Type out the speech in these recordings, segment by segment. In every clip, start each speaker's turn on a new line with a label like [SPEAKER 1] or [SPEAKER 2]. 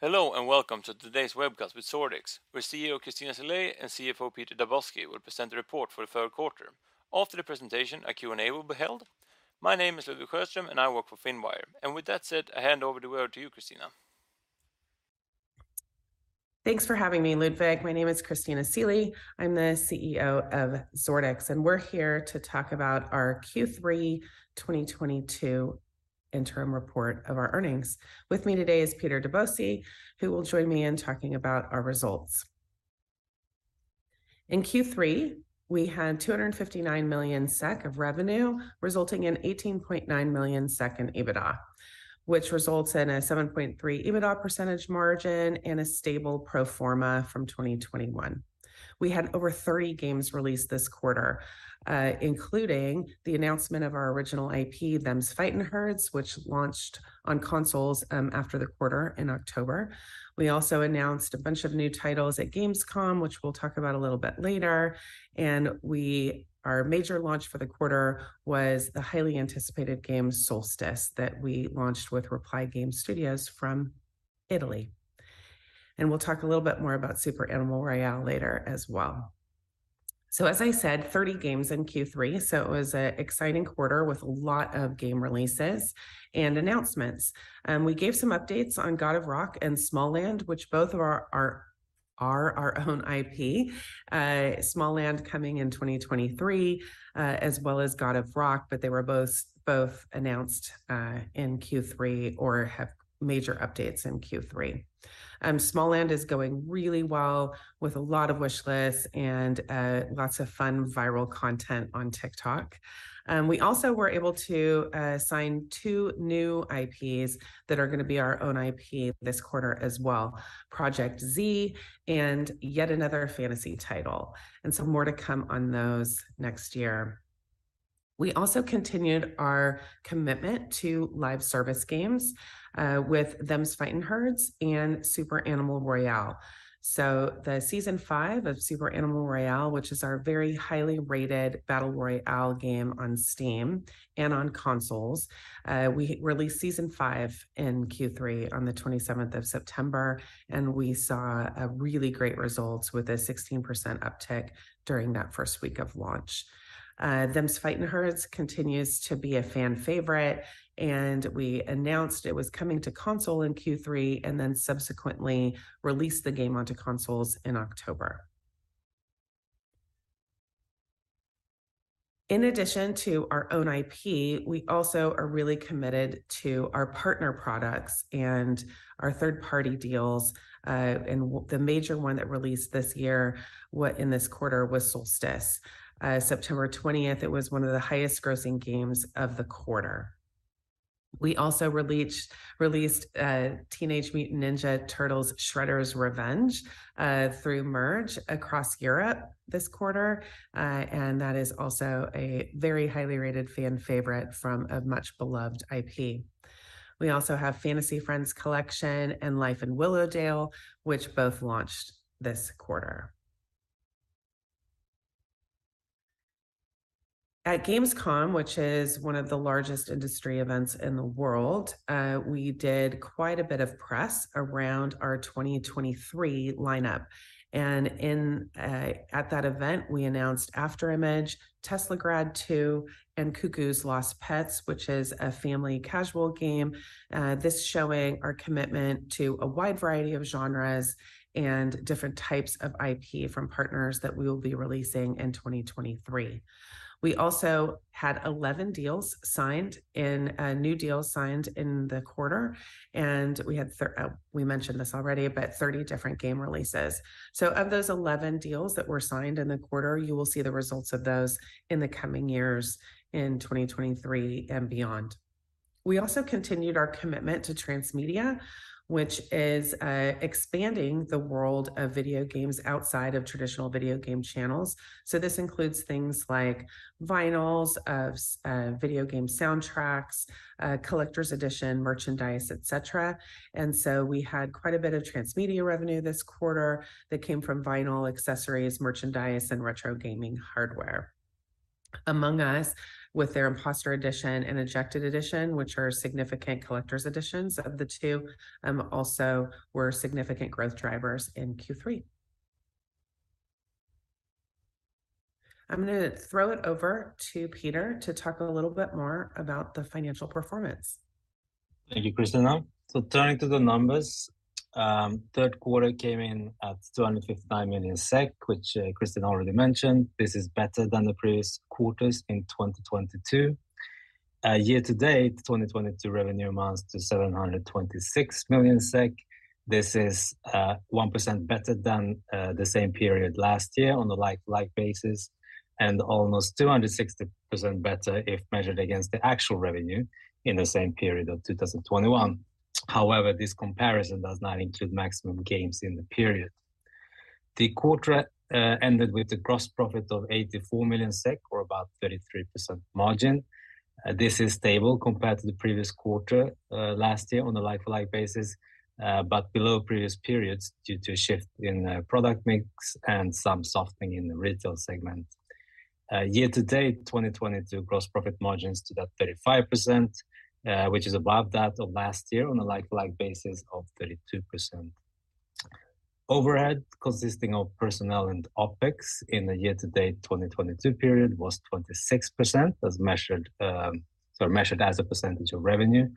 [SPEAKER 1] Hello, and welcome to today's webcast with Zordix, where CEO Christina Seelye and CFO Peter Daboczi will present a report for the third quarter. After the presentation, a Q&A will be held. My name is Ludwig Sjöström and I work for Finwire. With that said, I hand over the word to you, Christina.
[SPEAKER 2] Thanks for having me, Ludwig. My name is Christina Seelye. I'm the CEO of Zordix, and we're here to talk about our Q3 2022 interim report of our earnings. With me today is Peter Daboczi, who will join me in talking about our results. In Q3, we had 259 million SEK of revenue, resulting in 18.9 million SEK in EBITDA, which results in a 7.3% EBITDA margin and a stable pro forma from 2021. We had over 30 games released this quarter, including the announcement of our original IP, Them's Fightin' Herds, which launched on consoles after the quarter in October. We also announced a bunch of new titles at Gamescom, which we'll talk about a little bit later. Our major launch for the quarter was the highly anticipated game, Soulstice, that we launched with Reply Game Studios from Italy. We'll talk a little bit more about Super Animal Royale later as well. As I said, 30 games in Q3, so it was an exciting quarter with a lot of game releases and announcements. We gave some updates on God of Rock and Smalland, which both are our own IP. Smalland coming in 2023, as well as God of Rock, but they were both announced in Q3 or have major updates in Q3. Smalland is going really well with a lot of wishlists and lots of fun viral content on TikTok. We also were able to sign two new IPs that are gonna be our own IP this quarter as well, Projekt Z and Yet Another Fantasy Title, and so more to come on those next year. We also continued our commitment to live-service games with Them's Fightin' Herds and Super Animal Royale. The season five of Super Animal Royale, which is our very highly rated battle royale game on Steam and on consoles, we released season five in Q3 on the 27th of September, and we saw really great results with a 16% uptick during that first week of launch. Them's Fightin' Herds continues to be a fan favorite, and we announced it was coming to console in Q3 and then subsequently released the game onto consoles in October. In addition to our own IP, we also are really committed to our partner products and our third-party deals, and the major one that released this year in this quarter was Soulstice. September 20th, it was one of the highest grossing games of the quarter. We also released Teenage Mutant Ninja Turtles: Shredder's Revenge through Merge across Europe this quarter, and that is also a very highly rated fan favorite from a much beloved IP. We also have Fantasy Friends Collection and Life in Willowdale, which both launched this quarter. At Gamescom, which is one of the largest industry events in the world, we did quite a bit of press around our 2023 lineup. In at that event, we announced Afterimage, Teslagrad 2, and Kukoos: Lost Pets, which is a family casual game. This showing our commitment to a wide variety of genres and different types of IP from partners that we will be releasing in 2023. We also had 11 new deals signed in the quarter, and we had we mentioned this already, but 30 different game releases. Of those 11 deals that were signed in the quarter, you will see the results of those in the coming years in 2023 and beyond. We also continued our commitment to transmedia, which is expanding the world of video games outside of traditional video game channels. This includes things like vinyls of video game soundtracks, collector's edition, merchandise, et cetera. We had quite a bit of transmedia revenue this quarter that came from vinyl accessories, merchandise, and retro gaming hardware. Among Us, with their Impostor Edition and Ejected Edition, which are significant collector's editions of the two, also were significant growth drivers in Q3. I'm gonna throw it over to Peter to talk a little bit more about the financial performance.
[SPEAKER 3] Thank you, Christina. Turning to the numbers, third quarter came in at 259 million SEK, which Christina already mentioned. This is better than the previous quarters in 2022. Year to date, 2022 revenue amounts to 726 million SEK. This is 1% better than the same period last year on the like-for-like basis and almost 260% better if measured against the actual revenue in the same period of 2021. However, this comparison does not include Maximum Games in the period. The quarter ended with a gross profit of 84 million SEK or about 33% margin. This is stable compared to the previous quarter, last year on a like-for-like basis, but below previous periods due to a shift in product mix and some softening in the Retail segment. Yearto-date, 2022 gross profit margins stood at 35%, which is above that of last year on a like-for-like basis of 32%. Overhead consisting of personnel and OpEx in the year-to-date 2022 period was 26% as measured, so measured as a percentage of revenue,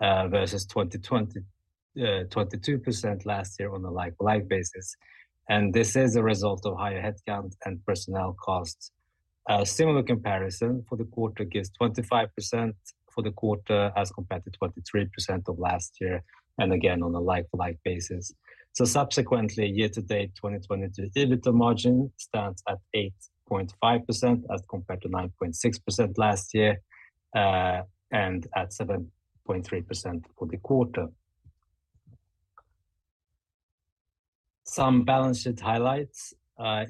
[SPEAKER 3] versus 22% last year on a like-for-like basis. This is a result of higher headcount and personnel costs. A similar comparison for the quarter gives 25% for the quarter as compared to 23% of last year, and again, on a like-for-like basis. Subsequently, year-to-date 2022 EBITDA margin stands at 8.5% as compared to 9.6% last year, and at 7.3% for the quarter. Some balance sheet highlights.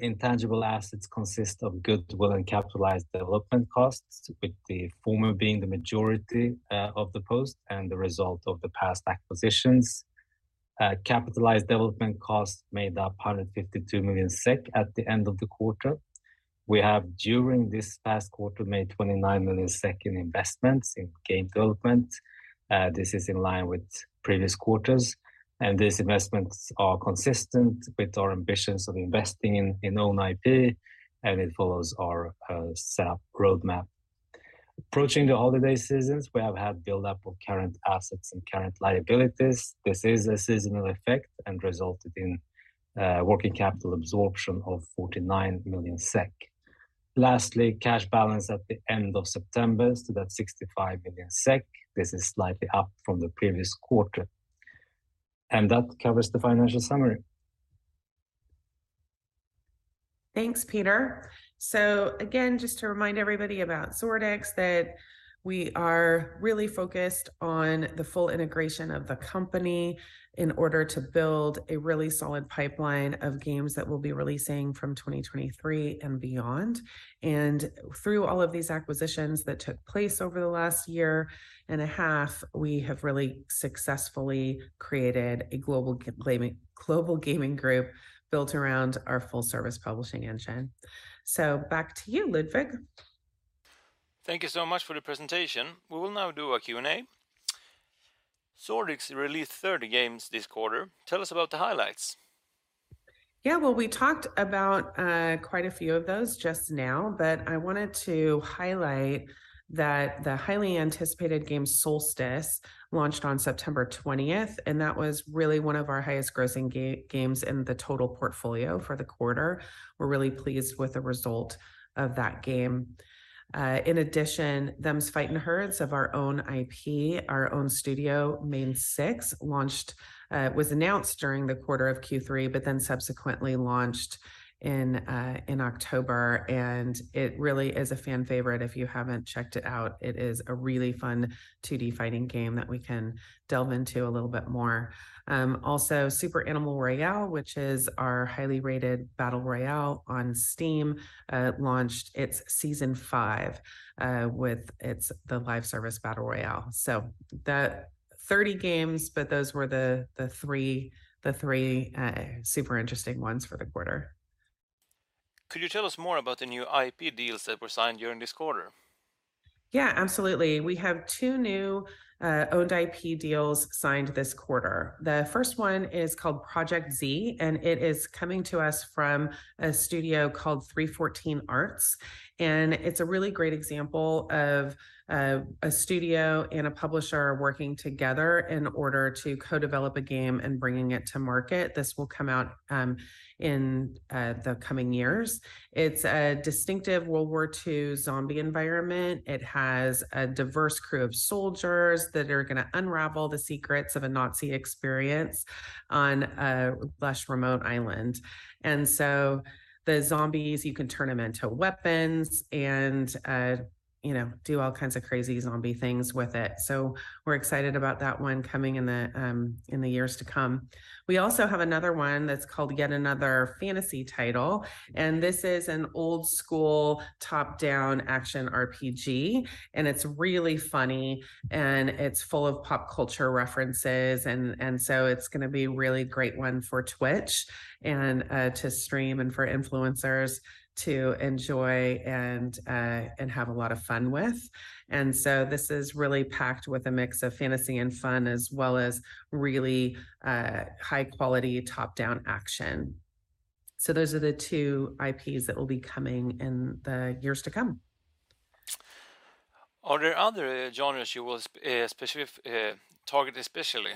[SPEAKER 3] Intangible assets consist of goodwill and capitalized development costs, with the former being the majority of the post and the result of the past acquisitions. Capitalized development costs made up 152 million SEK at the end of the quarter. We have, during this past quarter, made 29 million SEK in investments in game development. This is in line with previous quarters, and these investments are consistent with our ambitions of investing in own IP, and it follows our SAP roadmap. Approaching the holiday seasons, we have had buildup of current assets and current liabilities. This is a seasonal effect and resulted in working capital absorption of 49 million SEK. Lastly, cash balance at the end of September stood at 65 million SEK. This is slightly up from the previous quarter. That covers the financial summary.
[SPEAKER 2] Thanks, Peter. Again, just to remind everybody about Zordix that we are really focused on the full integration of the company in order to build a really solid pipeline of games that we'll be releasing from 2023 and beyond. Through all of these acquisitions that took place over the last year and a half, we have really successfully created a global gaming group built around our full service publishing engine. Back to you, Ludwig.
[SPEAKER 1] Thank you so much for the presentation. We will now do a Q&A. Zordix released 30 games this quarter. Tell us about the highlights.
[SPEAKER 2] Well, we talked about quite a few of those just now. I wanted to highlight that the highly anticipated game Soulstice launched on September 20th, and that was really one of our highest grossing games in the total portfolio for the quarter. We're really pleased with the result of that game. In addition, Them's Fightin' Herds of our own IP, our own studio, Mane6, launched, was announced during the quarter of Q3, subsequently launched in October. It really is a fan favorite. If you haven't checked it out, it is a really fun 2D fighting game that we can delve into a little bit more. Also, Super Animal Royale which is our highly rated battle royale on Steam, launched its Season 5 with the live service battle royale. The 30 games, but those were the three super interesting ones for the quarter.
[SPEAKER 1] Could you tell us more about the new IP deals that were signed during this quarter?
[SPEAKER 2] Yeah, absolutely. We have two new owned IP deals signed this quarter. The first one is called Projekt Z, and it is coming to us from a studio called 314 Arts, and it's a really great example of a studio and a publisher working together in order to co-develop a game and bringing it to market. This will come out in the coming years. It's a distinctive World War II zombie environment. It has a diverse crew of soldiers that are gonna unravel the secrets of a Nazi experience on a lush remote island. The zombies, you can turn them into weapons and, you know, do all kinds of crazy zombie things with it. We're excited about that one coming in the years to come. We also have another one that's called Yet Another Fantasy Title. This is an old-school top-down action RPG. It's really funny. It's full of pop culture references. It's gonna be a really great one for Twitch to stream and for influencers to enjoy and have a lot of fun with. This is really packed with a mix of fantasy and fun, as well as really high-quality top-down action. Those are the two IPs that will be coming in the years to come.
[SPEAKER 1] Are there other genres you will specific target especially?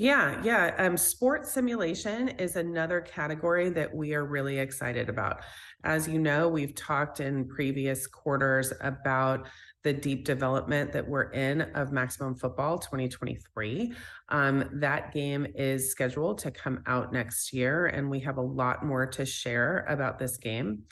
[SPEAKER 2] Yeah. Yeah. Sports simulation is another category that we are really excited about. As you know, we've talked in previous quarters about the deep development that we're in of Maximum Football 2023. That game is scheduled to come out next year, and we have a lot more to share about this game.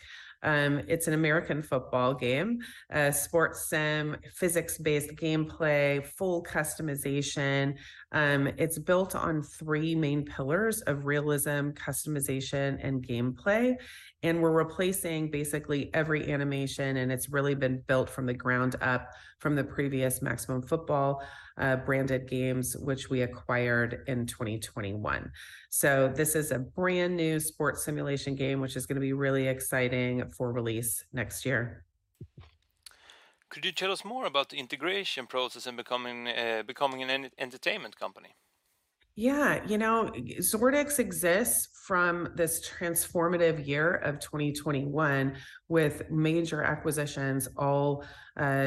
[SPEAKER 2] It's an American football game, a sports sim, physics-based gameplay, full customization. It's built on three main pillars of realism, customization, and gameplay, and we're replacing basically every animation, and it's really been built from the ground up from the previous Maximum Football branded games which we acquired in 2021. This is a brand-new sports simulation game which is gonna be really exciting for release next year.
[SPEAKER 1] Could you tell us more about the integration process in becoming an entertainment company?
[SPEAKER 2] Yeah, you know, Maximum Entertainment exists from this transformative year of 2021 with major acquisitions all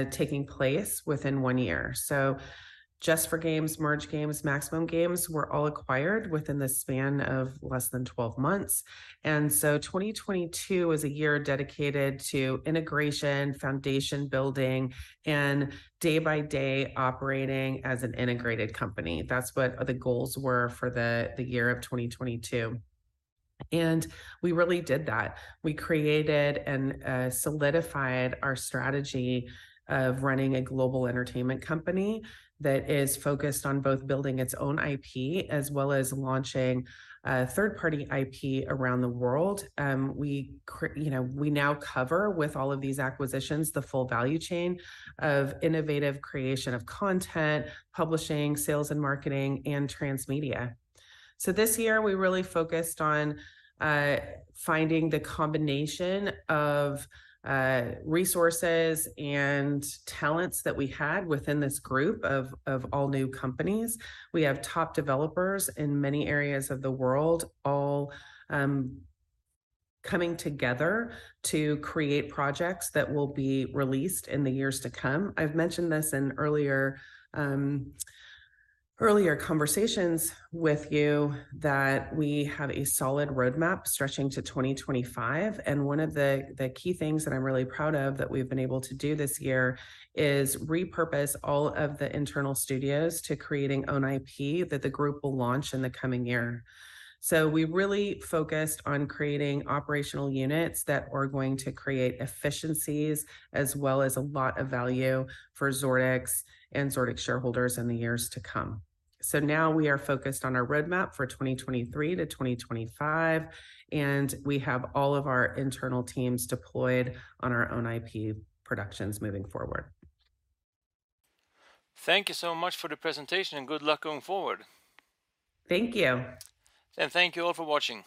[SPEAKER 2] taking place within one year. Just For Games, Merge Games, Maximum Games were all acquired within the span of less than 12 months, 2022 is a year dedicated to integration, foundation building, and day by day operating as an integrated company. That's what the goals were for the year of 2022, and we really did that. We created and solidified our strategy of running a global entertainment company that is focused on both building its own IP as well as launching third-party IP around the world. We now cover with all of these acquisitions the full value chain of innovative creation of content, publishing, sales and marketing, and transmedia. This year we really focused on finding the combination of resources and talents that we had within this group of all new companies. We have top developers in many areas of the world all coming together to create projects that will be released in the years to come. I've mentioned this in earlier earlier conversations with you that we have a solid roadmap stretching to 2025, and one of the key things that I'm really proud of that we've been able to do this year is repurpose all of the internal studios to creating own IP that the group will launch in the coming year. We really focused on creating operational units that are going to create efficiencies as well as a lot of value for Zordix and Zordix shareholders in the years to come. Now we are focused on our roadmap for 2023 to 2025, and we have all of our internal teams deployed on our own IP productions moving forward.
[SPEAKER 1] Thank you so much for the presentation, and good luck going forward.
[SPEAKER 2] Thank you.
[SPEAKER 1] Thank you all for watching.